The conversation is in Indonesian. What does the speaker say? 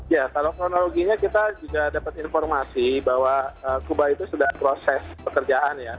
ya kalau kronologinya kita juga dapat informasi bahwa kubah itu sudah proses pekerjaan ya